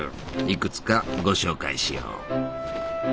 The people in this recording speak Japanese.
いくつかご紹介しよう。